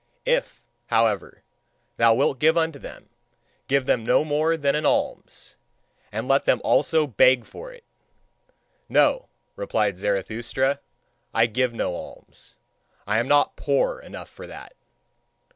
If, however, thou wilt give unto them, give them no more than an alms, and let them also beg for it!" "No," replied Zarathustra, "I give no alms. I am not poor enough for that."